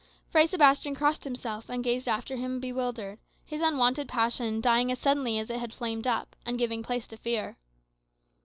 Fray Sebastian crossed himself, and gazed after him bewildered; his unwonted passion dying as suddenly as it had flamed up, and giving place to fear.